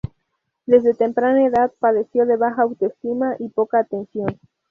Desde temprana edad, padeció de baja autoestima y poca atención.